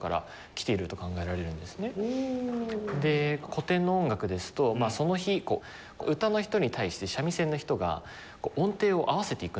古典の音楽ですとその日歌の人に対して三味線の人が音程を合わせていくんですね。